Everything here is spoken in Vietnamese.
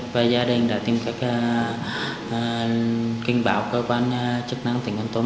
và gia đình đã tìm cách kinh báo cơ quan chức năng tỉnh con tôm